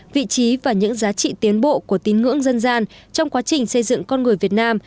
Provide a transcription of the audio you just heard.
vị trí và những giá trị tiến bộ của tín ngưỡng dân gian trong quá trình xây dựng con người việt nam